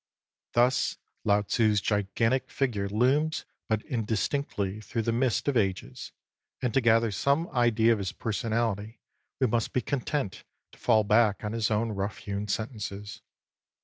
Thus Lao TzlI's gigantic figure looms but indistinctly through the mist of ages, and to gather some idea of his personality we must be content to fall back on his own rough hewn sentences.